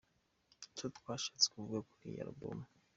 Ni icyo twashatse kuvuga kuri iyi album.